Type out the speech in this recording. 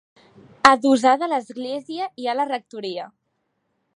Adossada a l'església hi ha la rectoria.